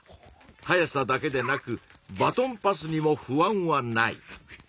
速さだけでなくバトンパスにも不安はない。